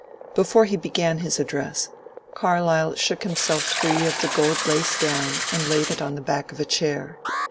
Before he began his address, Carlyle shook himself free of the gold lace gown and laid it on the back of a chair.